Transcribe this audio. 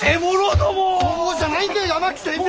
そうじゃないんだよ八巻先生！